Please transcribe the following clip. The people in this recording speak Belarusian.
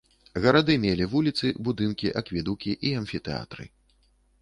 Гарады мелі вуліцы, будынкі, акведукі і амфітэатры.